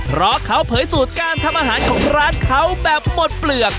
เพราะเขาเผยสูตรการทำอาหารของร้านเขาแบบหมดเปลือก